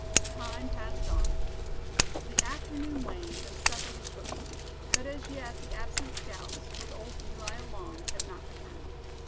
Time passed on. The afternoon waned, and supper was cooking; but as yet the absent scouts, with old Eli along, had not returned.